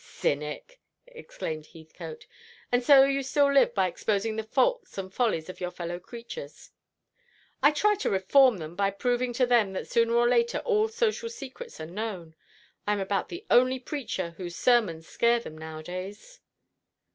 "Cynic!" exclaimed Heathcote. "And so you still live by exposing the faults and follies of your fellow creatures." "I try to reform them by proving to them that sooner or later all social secrets are known. I am about the only preacher whose sermons scare them nowadays."